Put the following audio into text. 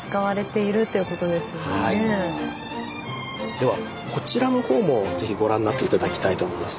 ではこちらのほうもぜひご覧になって頂きたいと思います。